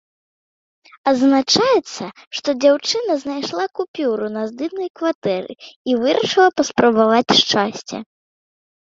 Адзначаецца, што дзяўчына знайшла купюру на здымнай кватэры і вырашыла паспрабаваць шчасце.